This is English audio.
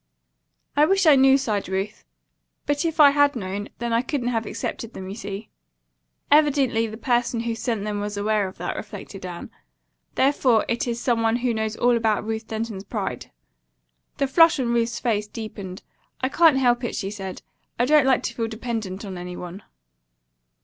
"I wish I knew," sighed Ruth, "but if I had known, then I couldn't have accepted them, you see." "Evidently the person who sent them was aware of that," reflected Anne. "Therefore, it is some one who knows all about Ruth Denton's pride." The flush on Ruth's face deepened. "I can't help it," she said. "I don't like to feel dependent on any one."